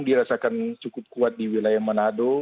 dirasakan cukup kuat di wilayah manado